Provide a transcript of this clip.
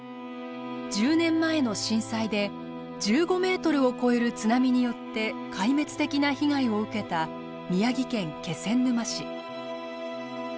１０年前の震災で１５ｍを超える津波によって壊滅的な被害を受けた宮城県気仙沼市。